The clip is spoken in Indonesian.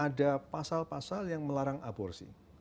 ada pasal pasal yang melarang aborsi